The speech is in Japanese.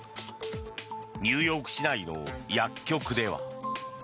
ニューヨーク市内の薬局では。